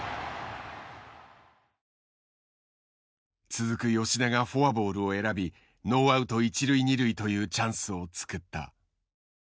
続く吉田がフォアボールを選びノーアウト一塁二塁というチャンスを作った。